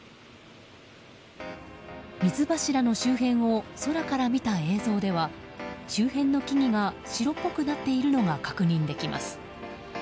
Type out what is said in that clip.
水柱の周辺を空から見た映像では周辺の木々が白っぽくなっているのが確認できます。